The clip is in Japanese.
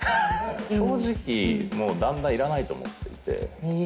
正直もうだんだんいらないと思っていて。